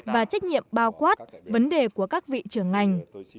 và trách nhiệm bao quát vấn đề của các vị trưởng ngành